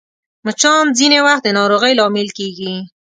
مچان ځینې وخت د ناروغۍ لامل کېږي